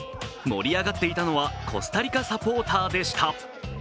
盛り上がっていたのは、コスタリカサポーターでした。